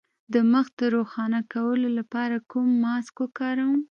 د مخ د روښانه کولو لپاره کوم ماسک وکاروم؟